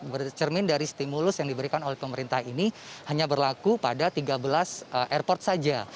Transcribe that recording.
bercermin dari stimulus yang diberikan oleh pemerintah ini hanya berlaku pada tiga belas airport saja